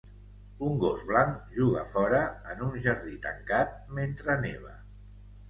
Un gos blanc juga fora en un jardí tancat mentre neva.